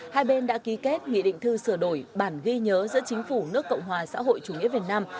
hai bên đã ký kết nghị định thư sửa đổi bản ghi nhớ giữa chính phủ nước cộng hòa xã hội chủ nghĩa việt nam